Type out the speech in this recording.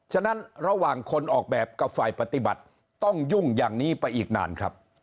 ฉะนั้นระหว่างคนออกแบบกับฝ่ายปฏิบัติต้องยุ่งอย่างนี้ไปอีกนานครับ